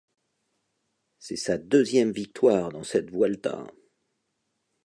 C'est sa deuxième victoire dans cette Vuelta.